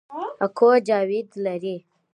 اکو جاوید لري